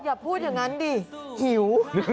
อย่าพูดอย่างนั้นดิหิว